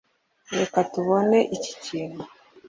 Reka tubone iki kintu